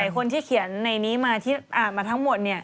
คนที่เขียนในนี้มาทั้งหมด